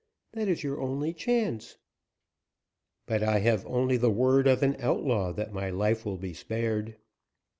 That is your only chance." "But I have only the word of an outlaw that my life will be spared."